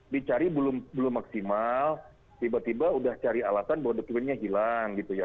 dicari belum maksimal tiba tiba udah cari alasan bahwa the tweetnya hilang gitu ya